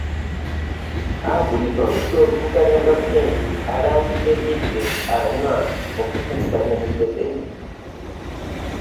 Akulira oludda oluvuganya gavumenti alangidde Beatrice Anywar okukukuta ne Museveni.